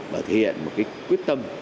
và thể hiện một cái quyết tâm